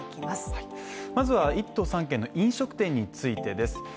まずは１都３県の飲食店についてです。